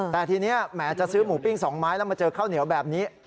แต่ทีนี้แหมจะซื้อหมูปิ้ง๒ไม้แล้วมาเจอข้าวเหนียวแบบนี้